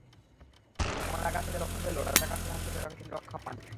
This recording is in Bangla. বোমার আঘাত থেকে রক্ষা পেলেও রাজাকারদের হাত থেকে তিনি রক্ষা পাননি।